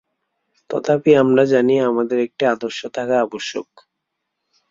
তথাপি আমরা জানি, আমাদের একটি আদর্শ থাকা আবশ্যক।